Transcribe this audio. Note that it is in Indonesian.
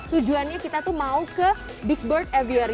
tujuannya kita tuh mau ke big bird aviory